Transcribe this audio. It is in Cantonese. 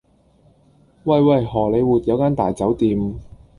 喂喂荷里活有間大酒店